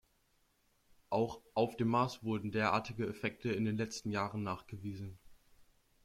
Auch auf dem Mars wurden derartige Effekte in den letzten Jahren nachgewiesen.